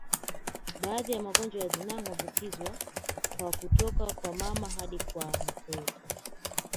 Baadhi ya magonjwa ya zinaa huambukiza kwa kutoka kwa mama hadi kwa mtoto